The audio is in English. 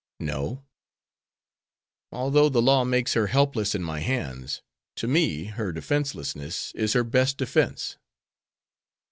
"No. Although the law makes her helpless in my hands, to me her defenselessness is her best defense."